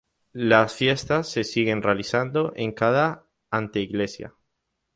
Las fiestas se siguen realizando en cada anteiglesia.